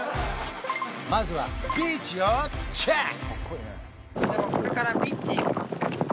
まずはビーチをチェック！